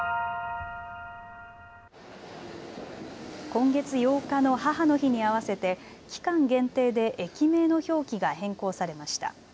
今月８日の母の日に合わせて期間限定で駅名の表記が変更されました。